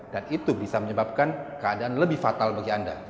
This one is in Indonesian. dan itu bisa menyebabkan keadaan lebih fatal bagi anda